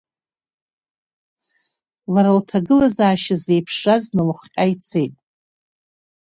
Лара лҭагылазаашьа зеиԥшраз налыхҟьа ицеит.